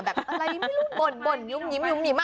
แบบอะไรไม่รู้บ่นยุ่มยุ่มยุ่ม